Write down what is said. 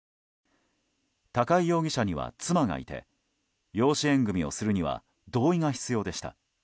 高井容疑者には妻がいて養子縁組をするには同意が必要でした。